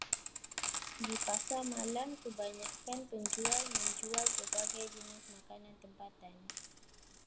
Di pasar malam kebanyakan penjual menjual pelbagai jenis makanan tempatan.